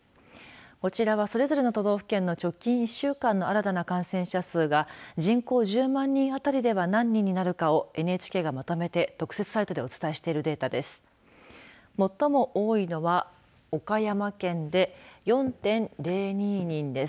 こちらはそれぞれの都道府県の直近１週間の新たな感染者数が人口１０万人あたりでは何人になるかをＮＨＫがまとめて特設サイトでお伝えしているデータです。